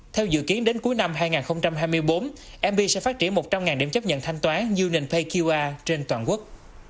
theo dự kiến đến cuối năm hai nghìn hai mươi bốn mb sẽ phát triển một trăm linh điểm chấp nhận thanh toán unionpayqr trên toàn quốc